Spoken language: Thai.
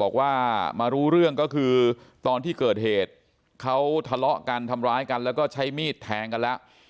บอกว่ามารู้เรื่องก็คือตอนที่เกิดเหตุเขาทะเลาะกันทำร้ายกันแล้วก็ใช้มีดแทงกันแล้ว